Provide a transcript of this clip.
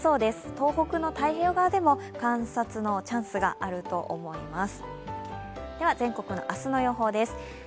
東北の太平洋側でも観察のチャンスがあると思います。